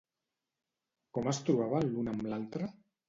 Com es trobaven l'un amb l'altre?